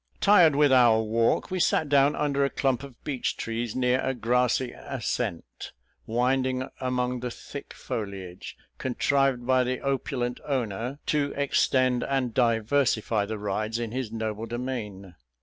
Tired with our walk, we sat down under a clump of beech trees, near a grassy ascent, winding among the thick foliage, contrived by the opulent owner to extend and diversify the rides in his noble domain.